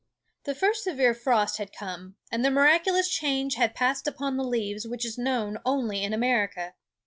"The first severe frost had come, and the miraculous change had passed upon the leaves which is known only in America.